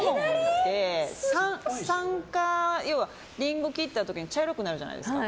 酸化、要はリンゴ切った時に茶色くなるじゃないですか。